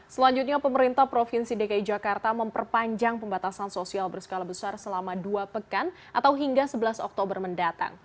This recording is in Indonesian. selanjutnya pemerintah provinsi dki jakarta memperpanjang pembatasan sosial berskala besar selama dua pekan atau hingga sebelas oktober mendatang